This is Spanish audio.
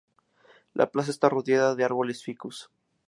La plaza está rodeada de árboles de ficus.